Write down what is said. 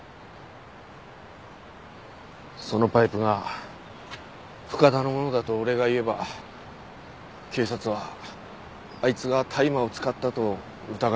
そのパイプが深田のものだと俺が言えば警察はあいつが大麻を使ったと疑う。